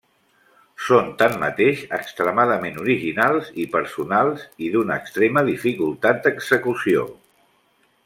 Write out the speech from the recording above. Són tanmateix extremadament originals i personals i d'una extrema dificultat d'execució.